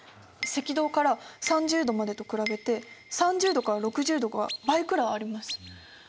赤道から３０度までと比べて３０度から６０度が倍くらいあります。